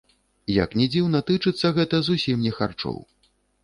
Як ні дзіўна, тычыцца гэта зусім не харчоў.